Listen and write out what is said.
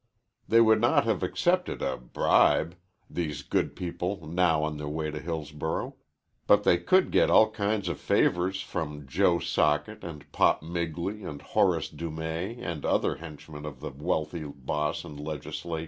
They would not have accepted "a bribe" these good people now on their way to Hillsborough but they could get all kinds of favors from Joe Socket and Pop Migley and Horace Dumay and other henchmen of the wealthy boss and legislator.